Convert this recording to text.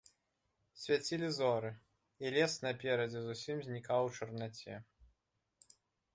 Свяцілі зоры, і лес наперадзе зусім знікаў у чарнаце.